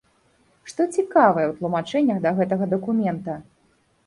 Што цікавае ў тлумачэннях да гэтага дакумента?